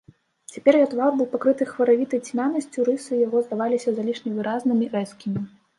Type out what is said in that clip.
Цяпер яе твар быў пакрыты хваравітай цьмянасцю, рысы яго здаваліся залішне выразнымі, рэзкімі.